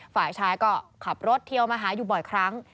ฝ่ายชายก็ขับรถเทียวมาหาอยู่บ่อยครั้ง